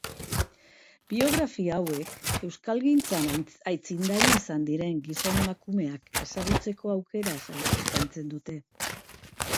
Biografia hauek euskalgintzan aitzindari izan diren gizon-emakumeak ezagutzeko aukera eskaintzen dute.